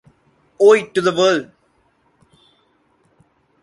Oi to the World!